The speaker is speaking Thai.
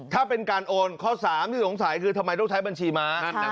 ถ้าเป็นการโอนข้อ๓ที่สงสัยคือทำไมต้องใช้บัญชีม้า